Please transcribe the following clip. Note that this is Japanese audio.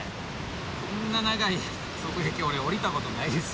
こんな長い側壁俺降りたことないです。